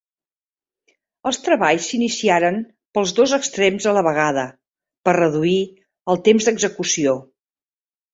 Els treballs s'iniciaren pels dos extrems a la vegada, per reduir el temps d'execució.